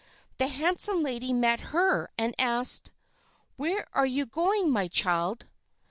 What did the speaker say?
The handsome lady met her and asked: "Where are you going, my child?"